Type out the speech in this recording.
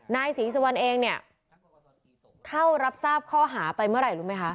นายศรีสุวรรณเองเนี่ยเข้ารับทราบข้อหาไปเมื่อไหร่รู้ไหมคะ